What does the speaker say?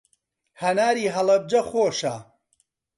هەناری هەڵەبجە خۆشە.